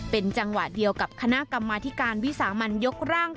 เป็นจังหวะเดียวกับคณะกรรมาธิการวิสามันยกร่าง